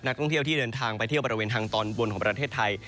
ท่องเที่ยวที่เดินทางไปเที่ยวบริเวณทางตอนบนของประเทศไทย